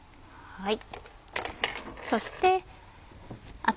はい。